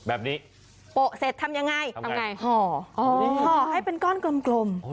แบบนี้เสร็จทำยังไงทำยังไงห่ออ๋อห่อให้เป็นก้อนกลมกลม